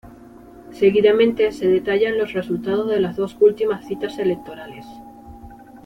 Seguidamente se detallan los resultados de las dos últimas citas electorales.